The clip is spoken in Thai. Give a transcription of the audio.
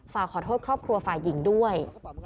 ฝากขอโทษครอบครัวฝ่ายหญิงด้วย